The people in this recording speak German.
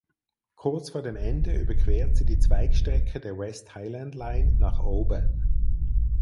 Kurz vor dem Ende überquert sie die Zweigstrecke der West Highland Line nach Oban.